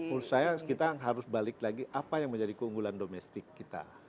menurut saya kita harus balik lagi apa yang menjadi keunggulan domestik kita